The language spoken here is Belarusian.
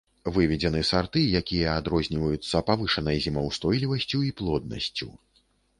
Выведзены сарты, якія адрозніваюцца павышанай зімаўстойлівасцю і плоднасцю.